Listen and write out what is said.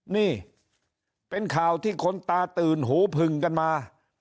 นี่เป็นข่าวที่คนตาตื่นหูผึ่งกันมา